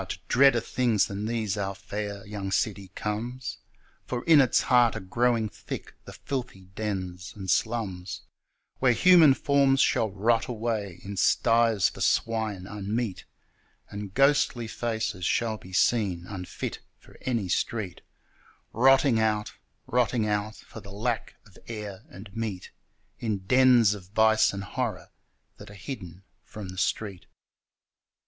to dreader things than these our fair young city comes, For in its heart are growing thick the filthy dens and slums, Where human forms shall rot away in sties for swine unmeet, And ghostly faces shall be seen unfit for any street Rotting out, rotting out, For the lack of air and meat In dens of vice and horror that are hidden from the street.